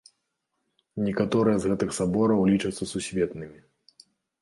Некаторыя з гэтых сабораў лічацца сусветнымі.